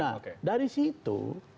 nah dari situ